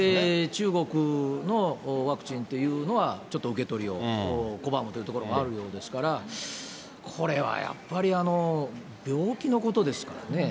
中国のワクチンっていうのはちょっと受け取りを拒むというところがあるようですから、これはやっぱり、病気のことですからね。